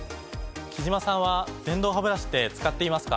貴島さんは電動ハブラシって使っていますか？